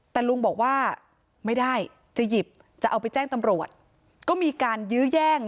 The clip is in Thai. แต่ลุงบอกว่าไม่ได้จะหยิบจะเอาไปแจ้งตำรวจก็มีการยื้อแย่ง